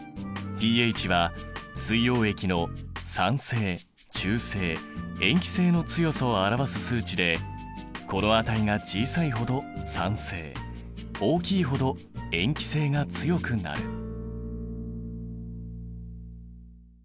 ｐＨは水溶液の酸性中性塩基性の強さを表す数値でこの値が小さいほど酸性大きいほど塩基性が強くなる。